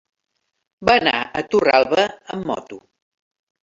Va anar a Torralba amb moto.